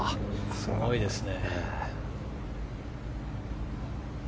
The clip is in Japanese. すごいですね。